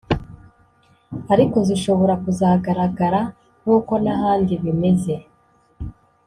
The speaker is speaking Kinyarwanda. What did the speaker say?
ariko zishobora kuzagaragara nkuko n’ahandi bimeze